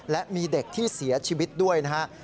และมีเด็กที่เสียชีวิตด้วยนะฮะ